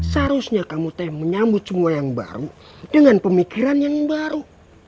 seharusnya kamu teh menyambut semua yang baru dengan pemikiran yang baru